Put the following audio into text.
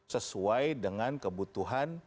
sesuai dengan kebutuhan